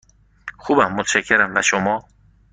خوبم، متشکرم، و شما؟